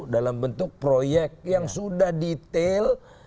dalam bentuk proyek yang sudah detail